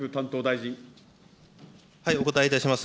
お答えいたします。